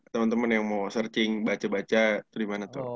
teman teman yang mau searching baca baca itu gimana tuh